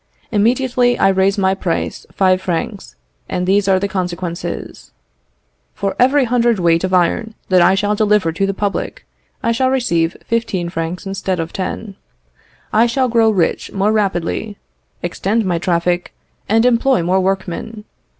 Immediately I raise my price five francs, and these are the consequences: "For every hundred weight of iron that I shall deliver to the public, I shall receive fifteen francs instead of ten; I shall grow rich more rapidly, extend my traffic, and employ more workmen.